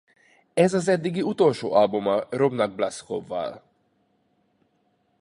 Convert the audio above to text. Ez az eddigi utolsó albuma Robnak Blaskoval.